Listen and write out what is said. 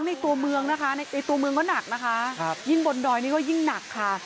ไอ้ตัวเมืองก็หนักนะคะยิ่งบนดอยนี่ก็ยิ่งหนักค่ะ